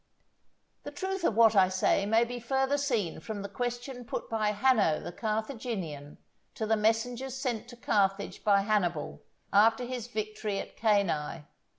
The truth of what I say may be further seen from the question put by Hanno the Carthaginian to the messengers sent to Carthage by Hannibal after his victory at Cannæ.